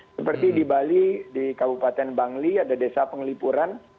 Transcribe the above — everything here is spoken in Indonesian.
seperti di bali di kabupaten bangli ada desa penglipuran